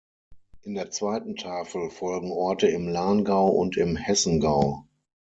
In der zweiten Tafel folgen Orte im Lahngau und im Hessengau.